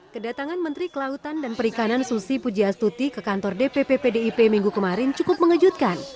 kedatangan menteri kelautan dan perikanan susi pujiastuti ke kantor dpp pdip minggu kemarin cukup mengejutkan